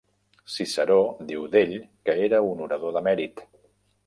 Ciceró diu d'ell que era un orador de mèrit.